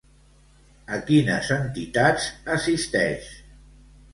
A quines entitats assisteix?